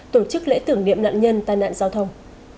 tổ chức lễ tưởng niệm nạn nhân tai nạn giao thông